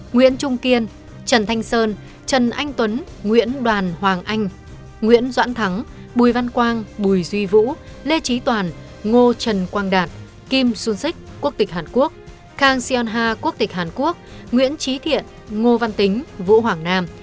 nguyễn trung kiên trần thanh sơn trần anh tuấn nguyễn đoàn hoàng anh nguyễn doãn thắng bùi văn quang bùi duy vũ lê trí toàn ngô trần quang đạt kim sung sik quốc tịch hàn quốc khang sion ha quốc tịch hàn quốc nguyễn trí thiện ngô văn tính vũ hoàng nam